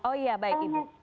oh iya baik itu